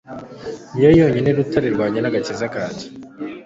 Ni yo yonyine rutare rwanjye n’agakiza kanjye